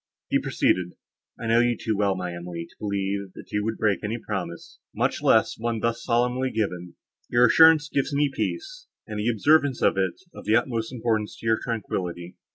He proceeded: "I know you too well, my Emily, to believe, that you would break any promise, much less one thus solemnly given; your assurance gives me peace, and the observance of it is of the utmost importance to your tranquillity.